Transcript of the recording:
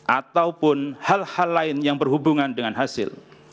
ataupun hal hal lain yang berhubungan dengan hasil